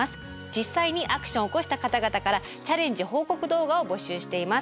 実際にアクションを起こした方々からチャレンジ報告動画を募集しています。